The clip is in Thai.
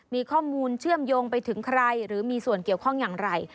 มีข้อมูลเชื่อมโยงไปถึงใครหรือมีส่วนเกี่ยวข้องอย่างไร